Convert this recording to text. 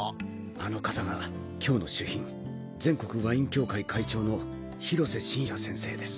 あの方が今日の主賓全国ワイン協会会長の広瀬晋也先生です。